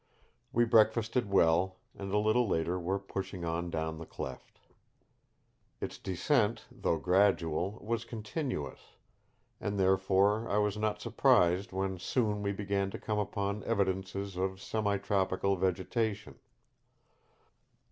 We breakfasted well, and a little later were pushing on down the cleft. Its descent, though gradual, was continuous, and therefore I was not surprised when soon we began to come upon evidences of semi tropical vegetation.